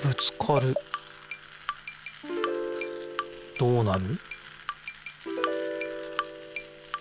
どうなる？